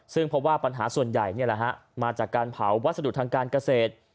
ซึ่งเพราะว่าปัญหาส่วนใหญ่เนี่ยละฮะมาจากการเผาวัสดุทางการเกษตร